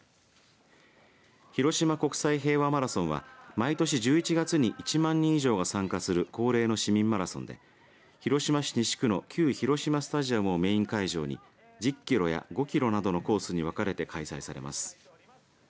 ひろしま国際平和マラソンは毎年１１月に１万人以上が参加する恒例の市民マラソンで広島市西区の旧広島スタジアムをメイン会場に１０キロや５キロなどのコースに分かれて開催されます。